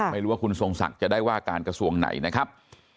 ไม่รู้ว่าคุณทรงศักดิ์จะได้ว่าการกระทรวงไหนนะครับ